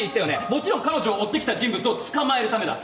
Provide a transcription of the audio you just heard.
もちろん、彼女を追ってきた人物を捕まえるためだ。